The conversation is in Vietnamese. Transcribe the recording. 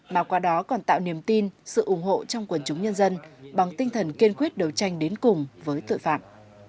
mà qua đó còn tạo niềm tin sự ủng hộ trong quần chúng nhân dân bằng tinh thần kiên quyết đấu tranh đến cùng với tội phạm